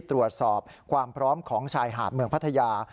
ตรวจสอบความพร้อมของชายหาดเมืองพัทยา